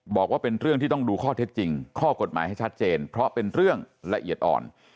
บอกว่าเป็นเรื่องที่ต้องดูข้อเท็จจริงข้อกฎหมายให้ชัดเจนเพราะเป็นเรื่องละเอียดอ่อน